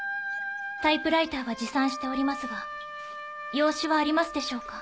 タイプライターは持参しておりますが用紙はありますでしょうか？